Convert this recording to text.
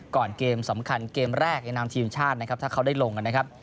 ก่อนเกมสำคัญเกมแรกในนามทีมชาตินะครับถ้าเขาได้ลงกันนะครับ